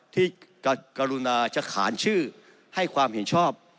กรุณาจะขานชื่อให้ความเห็นชอบ